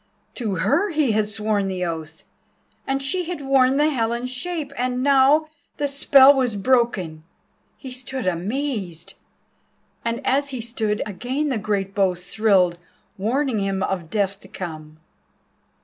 To her he had sworn the oath, and she had worn the Helen's shape—and now the spell was broken. He stood amazed, and as he stood, again the great bow thrilled, warning him of Death to come.